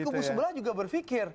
di kubu sebelah juga berfikir